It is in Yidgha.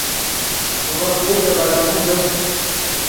ڤے خوئے پور دے بیڑینے دے